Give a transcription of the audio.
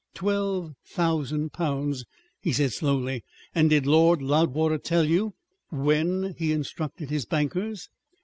"Twelve thousand pounds," he said slowly. "And did Lord Loudwater tell you when he instructed his bankers?"